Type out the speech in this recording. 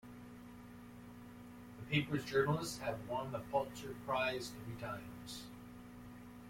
The paper's journalists have won the Pulitzer Prize three times.